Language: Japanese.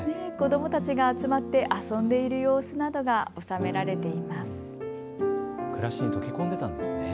子どもたちが集まって遊んでいる様子などが収められています。